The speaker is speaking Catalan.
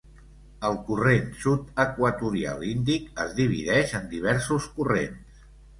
El Corrent Sud Equatorial Índic es divideix en diversos corrents.